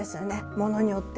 ものによっては。